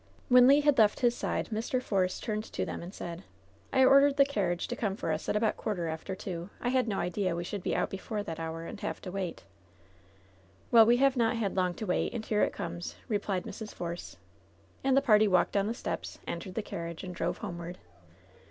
When Le had left his side, Mr. Force turned toward them, and said : "I ordered the carriage to come for us at about a quarter after two. I had no idea we should be out be fore that hour, and have to wait." LOVE'S BITTEREST CUP 1«5 'Well, we have not had long to wait, and here it comes/' replied Mrs. Force. And the party walked down the steps, entered the carriage, and drove homeward.